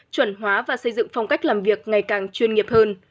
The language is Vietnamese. chuẩn hóa và xây dựng phong cách làm việc ngày càng chuyên nghiệp hơn